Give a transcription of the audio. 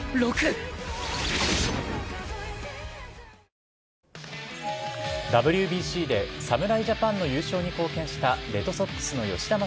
男は重傷で、警察は、ＷＢＣで侍ジャパンの優勝に貢献したレッドソックスの吉田正